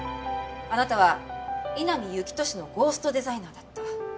あなたは井波幸俊のゴーストデザイナーだった。